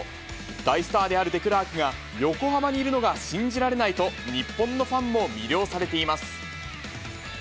大スターであるデクラークが、横浜にいるのが信じられないと、日本のファンも魅了されています。